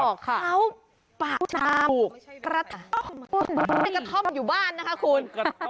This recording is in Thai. เขาปะชามปลูกกระท่อมให้กระท่อมอยู่บ้านนะคะคุณ